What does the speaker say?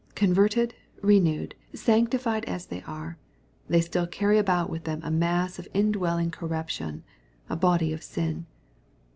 Converted, renewed, janctified liTlihey are, they still carry about with them a mass of indwelling corruption, a body of sin.